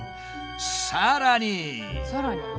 さらに。